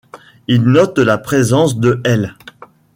Il note la présence de l'.